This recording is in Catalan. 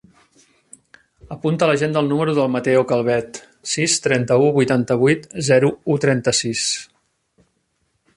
Apunta a l'agenda el número del Mateo Calvet: sis, trenta-u, vuitanta-vuit, zero, u, trenta-sis.